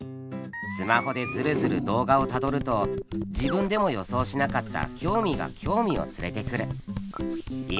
スマホでヅルヅル動画をたどると自分でも予想しなかった興味が興味を連れてくる。